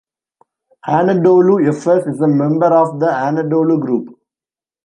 Anadolu Efes is a member of the Anadolu Group.